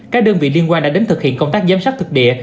các đơn vị liên quan đã đến thực hiện công tác giám sát thực địa